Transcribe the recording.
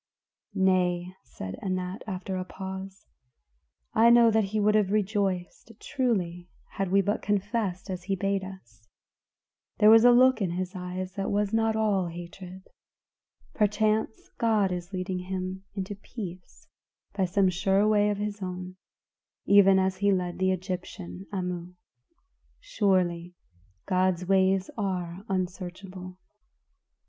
"Nay," said Anat, after a pause, "I know that he would have rejoiced truly had we but confessed as he bade us; there was a look in his eyes that was not all hatred; perchance God is leading him into peace by some sure way of his own, even as he led the Egyptian, Amu. Surely, God's ways are unsearchable."